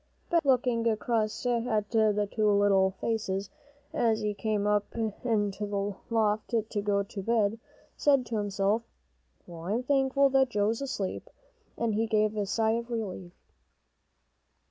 Ben, looking across at the two little faces, as he came up into the loft to go to bed, said to himself, "Well, I'm thankful that Joe's asleep." And he gave a sigh of relief.